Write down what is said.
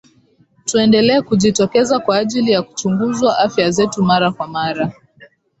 tuendelee kujitokeza kwa ajili ya kuchunguzwa afya zetu mara kwa mara